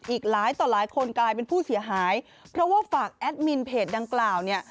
อีกหลายต่อหลายคนกลายเป็นผู้เสียหายเพราะว่าฝากแอดมินเพจดังกล่าวเนี่ย